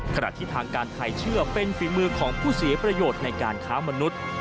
ขณะที่ทางการไทยเชื่อเป็นฝีมือของผู้เสียประโยชน์ในการค้ามนุษย์